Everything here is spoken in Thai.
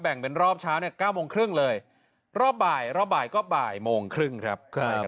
เป็นรอบเช้าเนี่ย๙โมงครึ่งเลยรอบบ่ายรอบบ่ายก็บ่ายโมงครึ่งครับ